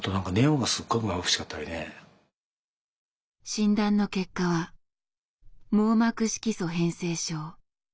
診断の結果は網膜色素変性症。